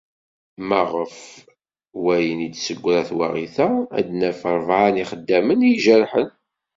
Ma ɣef wayen i d-tessegra twaɣit-a, ad naf rebεa n yixeddamen i ijerḥen.